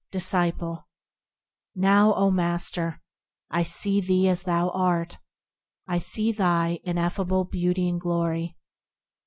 Disciple. Now, O Master ! I see thee as thou art; I see thy ineffable beauty and glory.